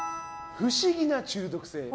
不思議な中毒性。